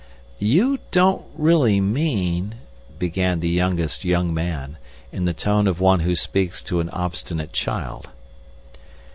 "You don't really mean—" began the youngest young man, in the tone of one who speaks to an obstinate child.